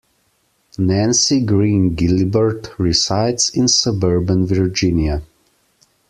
Nancy Green Gilbert resides in suburban Virginia.